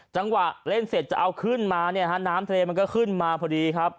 จังหวะเล่นเสร็จจะเอาขึ้นมาเนี่ยฮะน้ำทะเลมันก็ขึ้นมาพอดีครับ